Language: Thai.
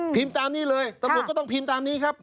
ตามนี้เลยตำรวจก็ต้องพิมพ์ตามนี้ครับ